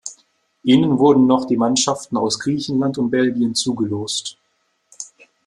Ihnen wurden noch die Mannschaften aus Griechenland und Belgien zugelost.